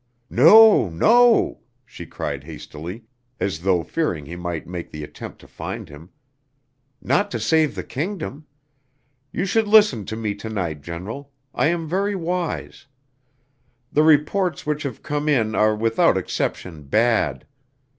"No! No!" she cried hastily, as though fearing he might make the attempt to find him; "not to save the kingdom. You should listen to me to night, General; I am very wise. The reports which have come in are without exception bad.